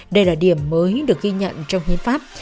đây là điểm mới được ghi nhận trong hiến pháp